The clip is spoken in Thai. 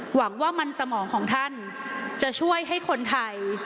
หวังว่ามันสมองของท่านจะช่วยให้คนไทย